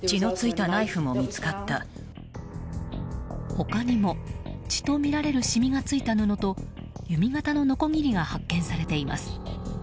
他にも血とみられる染みがついた布と弓形ののこぎりが発見されています。